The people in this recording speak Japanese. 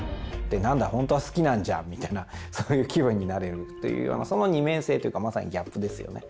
「なんだ本当は好きなんじゃん」みたいなそういう気分になれるというようなその二面性というかまさにギャップですよね。